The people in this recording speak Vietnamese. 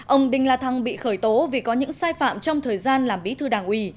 ông đinh la thăng bị khởi tố vì có những sai phạm trong thời gian làm bí thư đảng ủy